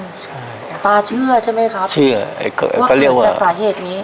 ใช่ตาเชื่อใช่ไหมครับเชื่อก็เรียกว่าว่าเกิดจากสาเหตุนี้